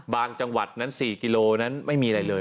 จังหวัดนั้น๔กิโลนั้นไม่มีอะไรเลย